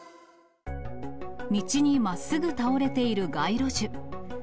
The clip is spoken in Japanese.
道にまっすぐ倒れている街路樹。